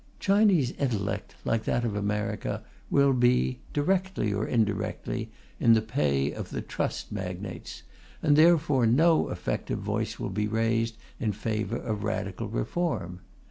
Chinese intellect, like that of America, will be, directly or indirectly, in the pay of the Trust magnates, and therefore no effective voice will be, raised in favour of radical reform.